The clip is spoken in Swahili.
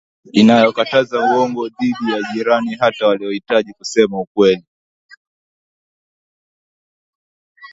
inayokataza uongo dhidi ya jirani Hata waliojitahidi kusema ukweli